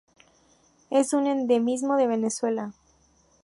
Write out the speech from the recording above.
Es un endemismo de Venezuela.